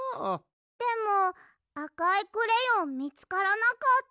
でもあかいクレヨンみつからなかった。